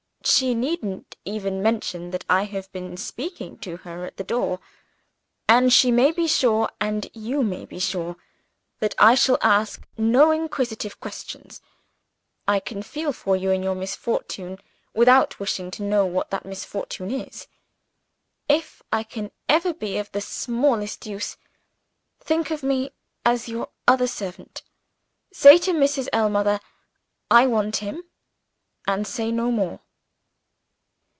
She needn't even mention that I have been speaking to her at the door; and she may be sure, and you may be sure, that I shall ask no inquisitive questions. I can feel for you in your misfortune, without wishing to know what that misfortune is. If I can ever be of the smallest use, think of me as your other servant. Say to Mrs. Ellmother, 'I want him' and say no more."